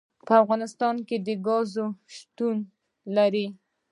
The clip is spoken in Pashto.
په افغانستان کې ګاز شتون لري.